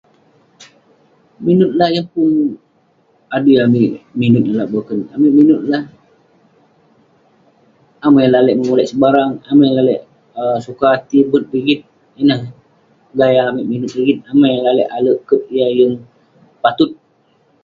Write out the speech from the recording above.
Minut lah, yeng pun adui amik minut lak boken, amik minut lah..amai lalek menyurat sebarang, amai lakek sukati bet rigit, ineh gaya amik minut rigit, amai lalek alek ket yah yeng patut